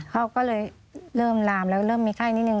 เขาก็เลยเริ่มลามแล้วเริ่มมีไข้นิดนึ